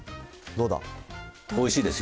どうだ。